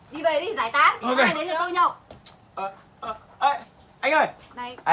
đi về đi giải tán